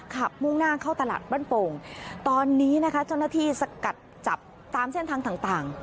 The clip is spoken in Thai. มุ่งหน้าเข้าตลาดบ้านโป่งตอนนี้นะคะเจ้าหน้าที่สกัดจับตามเส้นทางต่าง